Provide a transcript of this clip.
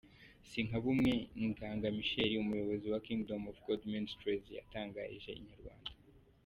Sinkabumwe Ngaga Michel umuyobozi wa Kingdom of God Ministries yatangarije Inyarwanda.